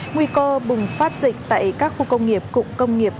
nguy cơ bùng phát dịch tại các khu công nghiệp cụm công nghiệp